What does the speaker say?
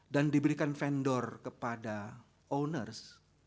dan diberikan vendor kepada owners